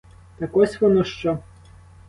Так ось воно що?